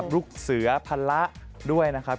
ลูกเสือพละด้วยนะครับ